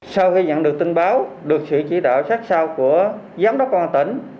sau khi nhận được tin báo được sự chỉ đạo sát sao của giám đốc công an tỉnh